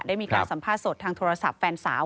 ได้มีการสัมภาษณ์สดทางโทรศัพท์แฟนสาว